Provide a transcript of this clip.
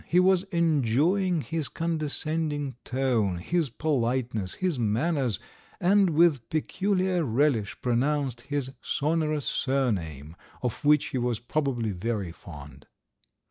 He was enjoying his condescending tone, his politeness, his manners, and with peculiar relish pronounced his sonorous surname, of which he was probably very fond.